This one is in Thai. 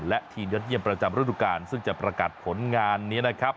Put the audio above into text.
และทีมยอดเยี่ยมประจำฤดูกาลซึ่งจะประกาศผลงานนี้นะครับ